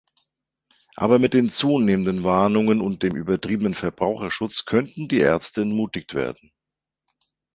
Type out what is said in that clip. Aber mit den zunehmenden Warnungen und dem übertriebenen Verbraucherschutz könnten die Ärzte entmutigt werden.